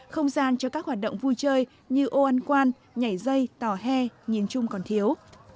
không gian cho các hoạt động vui chơi như ô ăn quan nhảy dây tòa hè nhìn chung còn thiếu